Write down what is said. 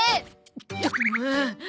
ったくもう。